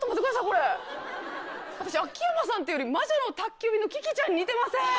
これ私秋山さんっていうより『魔女の宅急便』のキキちゃんに似てません？